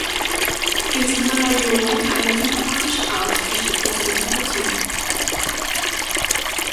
Insbesondere Joo hätte eine sympathische Art, die Stücke zu interpretieren.